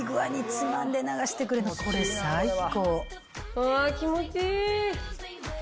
うわ気持ちいい。